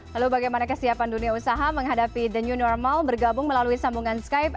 lalu bagaimana kesiapan dunia usaha menghadapi the new normal bergabung melalui sambungan skype